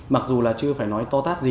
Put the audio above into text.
mặc dù là chưa phải nói to thật